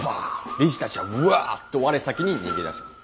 理事たちはうわっと我先に逃げ出します。